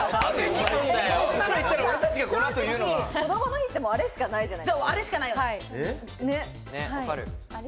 子どもの日ってあれしかないじゃない。